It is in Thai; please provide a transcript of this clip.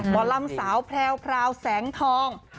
บอลลำสาวแพรวพราวแสงทอง